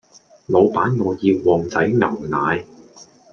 老闆我要旺仔牛奶